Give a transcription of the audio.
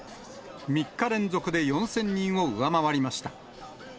３日連続で４０００人を上回りました。